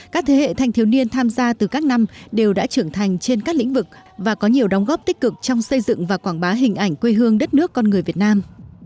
các thế hệ thanh thiếu niên tham gia từ các năm đều đã trưởng thành trên các lĩnh vực và có nhiều đóng góp tích cực trong xây dựng và quảng bá hình ảnh quê hương đất nước con người việt nam